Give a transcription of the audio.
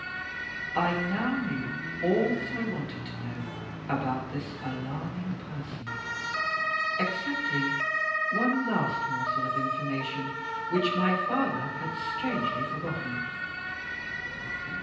I now knew all that I wanted to know about this alarming person, excepting one last morsel of information which my father had strangely forgotten.